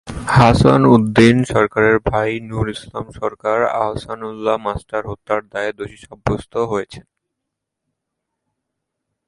হাসান উদ্দিন সরকারের ভাই নুরুল ইসলাম সরকার আহসানউল্লাহ মাস্টার হত্যার দায়ে দোষী সাব্যস্ত হয়েছেন।